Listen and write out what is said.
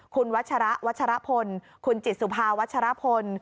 คุณวัชระวัชรพลคุณจิตสุภาวัชรพล